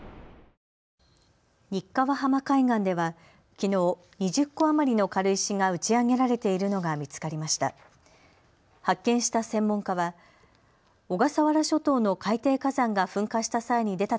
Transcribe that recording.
日川浜海岸ではきのう２０個余りの軽石が打ち上げられているのが見つかりました。